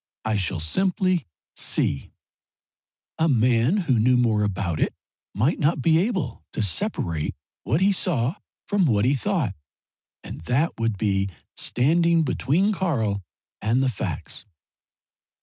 I shall simply see. A man who knew more about it might not be able to separate what he saw from what he thought and that would be standing between Karl and the facts."